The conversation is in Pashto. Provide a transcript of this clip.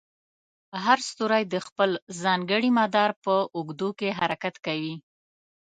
هر ستوری د خپل ځانګړي مدار په اوږدو کې حرکت کوي.